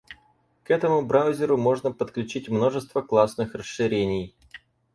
К этому браузеру можно подключить множество классных расширений.